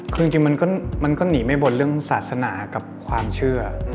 คือจริงมันก็หนีไม่บนเรื่องศาสนากับความเชื่อ